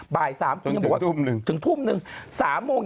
บ่าย๓ทุ่ม๑ถึงทุ่ม๑